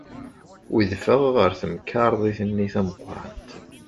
Udfeɣ ɣer temkarḍit-nni tameqrant.